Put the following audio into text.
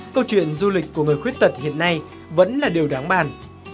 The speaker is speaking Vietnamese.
câu chuyện du lịch của người khuyết tật hiện nay vẫn là điều đáng bàn